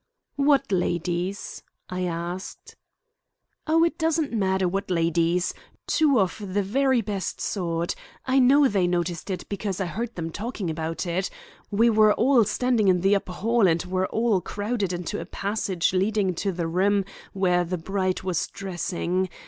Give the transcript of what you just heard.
"What ladies?" I asked. "Oh, it doesn't matter what ladies. Two of the very best sort. I know they noticed it, because I heard them talking about it. We were all standing in the upper hall and were all crowded into a passage leading to the room where the bride was dressing.